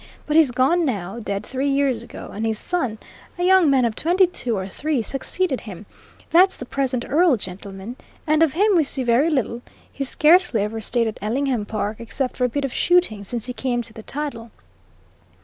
But he's gone now died three years ago; and his son, a young man of twenty two or three, succeeded him that's the present Earl, gentlemen. And of him we see very little; he scarcely ever stayed at Ellingham Park, except for a bit of shooting, since he came to the title.